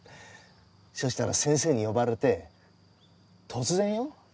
そしたら先生に呼ばれて突然よ？